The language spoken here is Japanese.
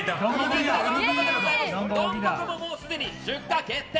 ドンココももうすでに出荷決定！